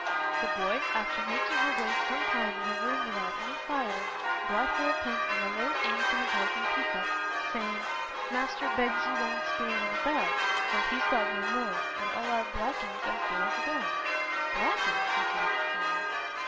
The boy, after making her wait some time in a room without any fire, brought her a pen and a little ink in a broken tea cup, saying "Master begs you won't spirt it about, for he's got no more; and all our blacking's as good as gone." "Blacking?" repeated Cecilia.